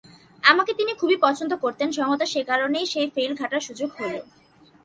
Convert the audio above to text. আমাকে তিনি খুবই পছন্দ করতেন, সম্ভবত সে-কারণেই সেই ফাইল ঘাঁটার সুযোগ হয়ে গেল।